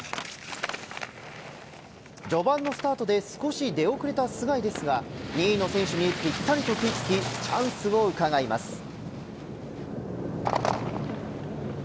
序盤のスタートで少し出遅れた須貝ですが２位の選手にぴったりと食いつきチャンスをうかがいます。